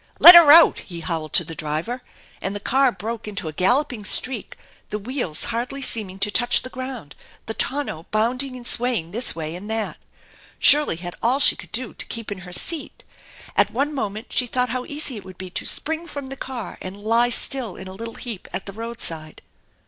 "Let her out!" he howled to the driver, and the car broke into a galloping streak, the wheels hardly seeming to touch the ground, the tonneau bounding and swaying this way and that. Shirley had all she could do to keep in her Beat. At one moment she thought how easy it would be to spring from the car and lie in a little still heap at the road jide.